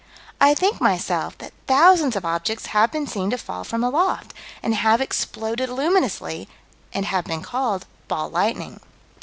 I think, myself, that thousands of objects have been seen to fall from aloft, and have exploded luminously, and have been called "ball lightning."